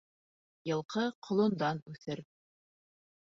Йылҡы ҡолондан үҫер.